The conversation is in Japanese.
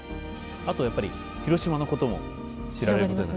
あとやっぱり広島のことも知られる。